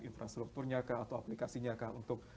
infrastrukturnya atau aplikasinya untuk